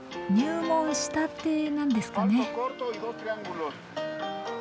入門したてなんですかね。